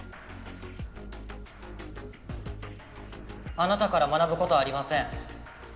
あなたから学ぶことはありません。